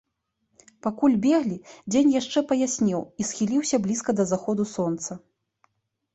Пакуль беглі, дзень яшчэ паяснеў і схіліўся блізка да заходу сонца.